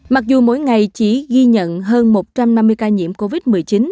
mặc dù mỗi ngày chỉ ghi nhận hơn một trăm năm mươi ca nhiễm covid một mươi chín